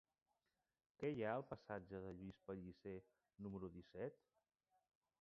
Què hi ha al passatge de Lluís Pellicer número disset?